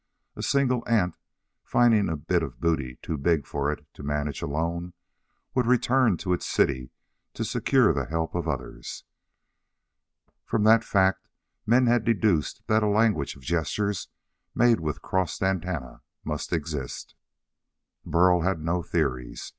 A single ant, finding a bit of booty too big for it to manage alone, would return to its city to secure the help of others. From that fact men had deduced that a language of gestures made with crossed antennae must exist. Burl had no theories.